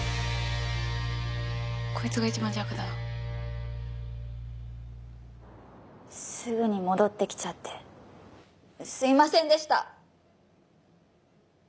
こいつが一番邪悪だなすぐに戻ってきちゃってすいませんでした！